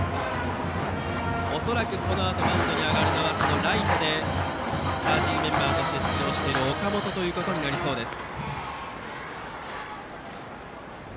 恐らくこのあとマウンドに上がるのはライトでスターティングメンバーとして出場している岡本となりそうです。